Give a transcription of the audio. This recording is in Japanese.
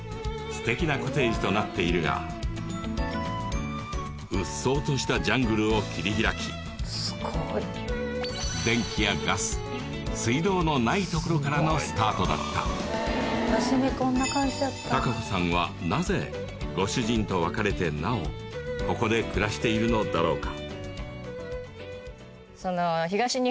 すてきなコテージとなっているがうっそうとしたジャングルを切り開きすごい電気やガス水道のないところからのスタートだった敬子さんはなぜご主人と別れてなおここで暮らしているのだろうか？